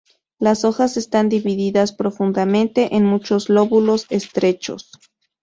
Las hojas están divididas profundamente en muchos lóbulos estrechos.